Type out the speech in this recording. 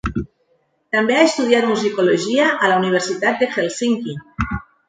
També ha estudiat musicologia a la Universitat de Hèlsinki.